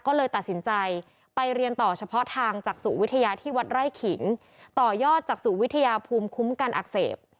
ก็เลยตัดสินใจไปเรียนต่อเฉพาะทางจากสู่วิทยาที่วัดไร่ขิงต่อยอดจากสู่วิทยาภูมิคุ้มกันอักเสบ